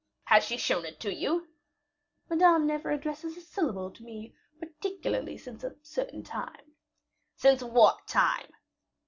"Has she shown it to you?" "Madame never addresses a syllable to me, particularly since a certain time." "Since what time?"